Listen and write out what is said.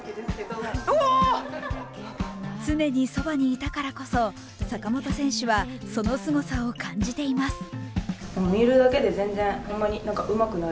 常にそばにいたからこそ坂本選手はそのすごさを感じています。